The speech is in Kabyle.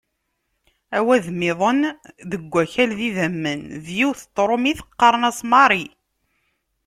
Awadem-iḍen deg "Akal d idammen", d yiwet n tṛumit qqaren-as Marie.